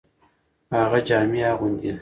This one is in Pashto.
هغه جامي اغوندي .